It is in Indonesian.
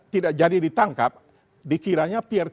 tidak jadi ditangkap dikiranya prt